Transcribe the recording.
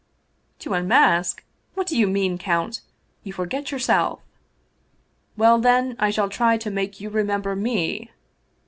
"To unmask? What do you mean, count? You forget yourself! "" Well, then, I shall try to make you remember me